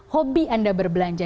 hobi anda berbelanja